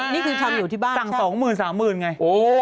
นี่คือทางอยู่ที่บ้านใช่ไหมครับสั่ง๒๐๐๐๐๓๐๐๐๐ไง